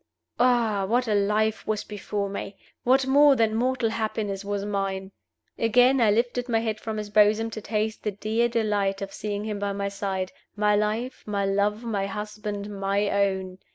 Ah, what a life was before me! What more than mortal happiness was mine! Again I lifted my head from his bosom to taste the dear delight of seeing him by my side my life, my love, my husband, my own!